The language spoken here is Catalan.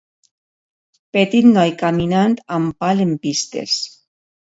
petit noi caminant amb pal en pistes